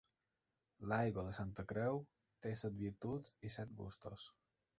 L'aigua de Santa Creu té set virtuts i set gustos.